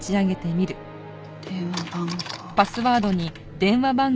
電話番号。